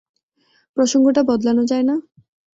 প্রসঙ্গটা বদলানো যায়না?